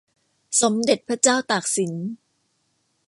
สมเด็จพระเจ้าตากสิน